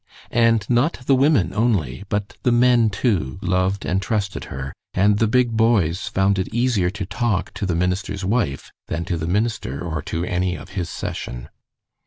And not the women only, but the men, too, loved and trusted her, and the big boys found it easier to talk to the minister's wife than to the minister or to any of his session.